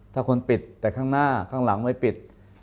ถ้าคนปิดแต่ข้างหน้าข้างหลังไม่ปิด